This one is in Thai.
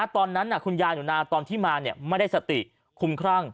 ตอนนั้นคุณยายหนูนาตอนที่มาไม่ได้สติคุ้มครั่ง